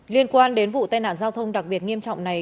liên quan đến vụ tai nạn giao thông đặc biệt nghiêm trọng này